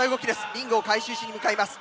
リングを回収しに向かいます。